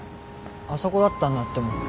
あそこだったんだって思った。